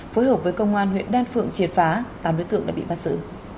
phối hợp với công an huyện đan phượng triệt phá tám đối tượng đã bị bắt giữ